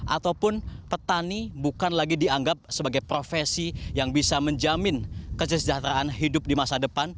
ataupun petani bukan lagi dianggap sebagai profesi yang bisa menjamin kesejahteraan hidup di masa depan